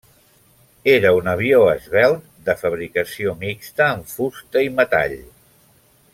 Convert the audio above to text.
Era un avió esvelt de fabricació mixta en fusta i metall.